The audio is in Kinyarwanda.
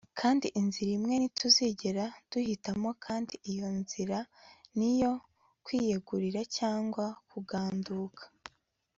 kandi inzira imwe ntituzigera duhitamo, kandi iyo ni yo nzira yo kwiyegurira, cyangwa kuganduka